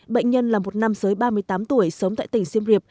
bệnh nhân là một năm giới ba mươi tám tuổi sống tại tỉnh siem reap